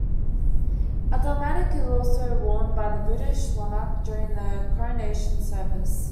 A dalmatic is also worn by the British monarch during the Coronation service.